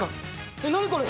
えっ何これ？